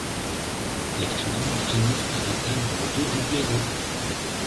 Les flammes finissent par atteindre le dos du blaireau.